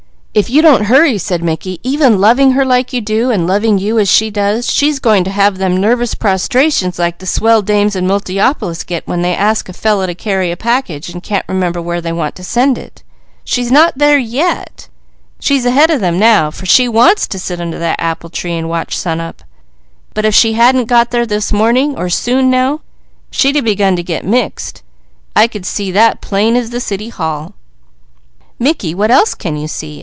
"If you don't hurry," said Mickey, "even loving her like you do, and loving you as she does, she's going to have them nervous prostrations like the Swell Dames in Multiopolis get when they ask a fellow to carry a package, and can't remember where they want to send it. She's not there yet. She's ahead of them now, for she wants to sit under that apple tree and watch sunup; but if she hadn't got there this morning or soon now, she'd a begun to get mixed, I could see that plain as the City Hall." "Mickey, what else can you see?"